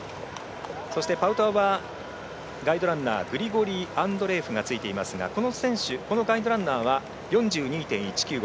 パウトワはガイドランナーグリゴリー・アンドレエフがついていますがこのガイドランナーは４２．１９５